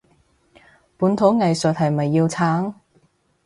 本土藝術係咪要撐？